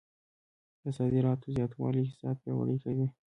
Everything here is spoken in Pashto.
د صادراتو زیاتوالی اقتصاد پیاوړی کوي.